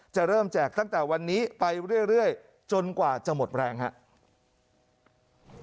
เริ่มแจกตั้งแต่วันนี้ไปเรื่อยจนกว่าจะหมดแรงครับ